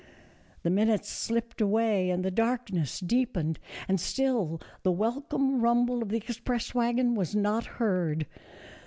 The minutes slipped away and the darkness deepened, and still the welcome rumble of the ex press wagon was not heard.